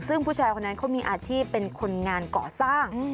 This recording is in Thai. ซึ่งผู้ชายคนนั้นเขามีอาชีพเป็นคนงานก่อสร้าง